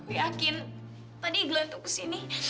aku yakin tadi glenn tuh kesini